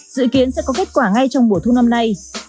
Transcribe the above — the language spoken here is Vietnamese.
dự kiến sẽ có kết quả ngay trong mùa thu năm nay